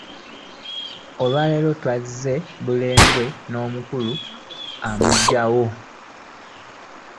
Olwalero twazze bulembwe n'omukulun'emujjawo .